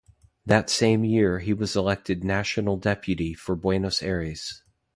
That same year he was elected national deputy for Buenos Aires.